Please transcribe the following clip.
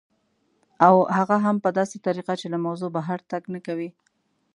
او هغه هم په داسې طریقه چې له موضوع بهر تګ نه کوي